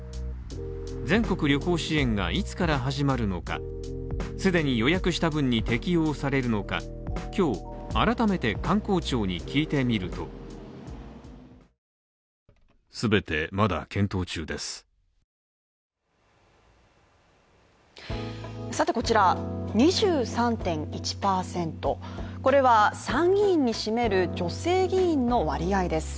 全国旅行支援がいつから始まるのか、既に予約した分に適用されるのか、今日、改めて観光庁に聞いてみるとさてこちら２３．１％、これは参議院に占める女性議員の割合です。